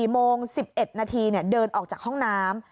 โมง๑๑นาทีเดินออกจากห้องน้ำ